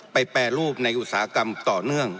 แปรรูปในอุตสาหกรรมต่อเนื่อง